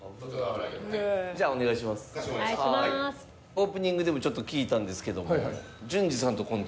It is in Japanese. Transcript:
オープニングでもちょっと聞いたんですけども。